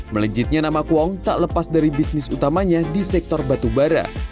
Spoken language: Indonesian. melejitnya nama kuong tak lepas dari bisnis utamanya di sektor batubara